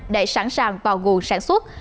để sẵn sàng vào gồm sản xuất